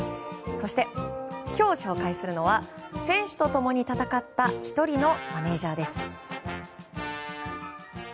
そして、今日紹介するのは選手と共に戦った１人のマネジャーです。